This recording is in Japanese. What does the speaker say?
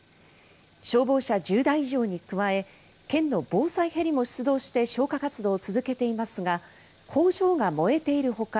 消防車１０台以上に加え県の防災ヘリも出動して消火活動を続けていますが工場が燃えているほか